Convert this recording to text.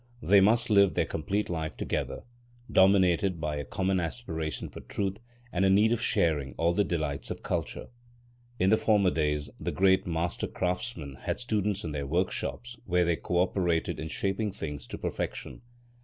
They must live their complete life together, dominated by a common aspiration for truth and a need of sharing all the delights of culture. In former days the great master craftsmen had students in their workshops where they co operated in shaping things to perfection.